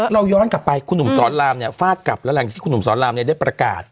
เราย้อนกลับไปคุณหนุ่มสอนรามเนี่ยฟาดกลับแล้วหลังจากที่คุณหนุ่มสอนรามได้ประกาศ